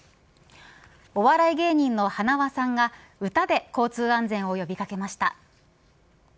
お笑い芸人のはなわさんが歌で交通安全を呼び掛けました。